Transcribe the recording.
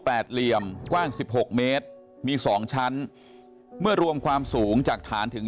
แปดเหลี่ยมกว้าง๑๖เมตรมี๒ชั้นเมื่อรวมความสูงจากฐานถึง